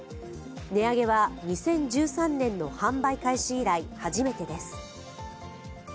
値上げは２０１３年の販売開始以来初めてです。